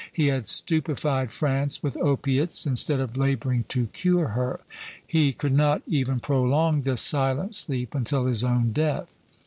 He had stupefied France with opiates, instead of laboring to cure her. He could not even prolong this silent sleep until his own death."